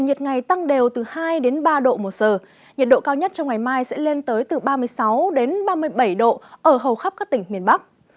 nhiệt độ cao nhất trong ngày mai sẽ lên tới từ ba mươi sáu ba mươi bảy độ ở hầu khắp các tỉnh miền bắc